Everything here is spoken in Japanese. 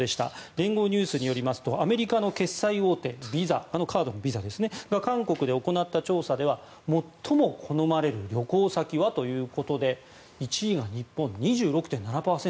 連合ニュースによりますとアメリカの決済大手ビザあのカードのビザですね韓国で行った調査では最も好まれる旅行先はということで１位が日本、２６．７％。